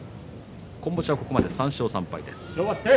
今場所は、ここまで３勝３敗です。